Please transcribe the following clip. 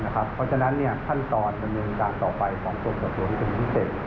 เพราะฉะนั้นขั้นต่อจำนวนการต่อไปของส่วนต่อส่วนที่๑๗